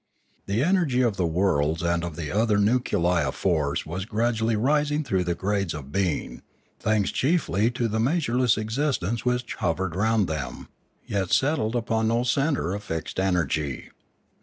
The energy of the worlds and of the other nuclei of force was gradu ally rising through the grades of being, thanks chiefly to the measureless existence which hovered round them, yet settled upon no centre of fixed energy.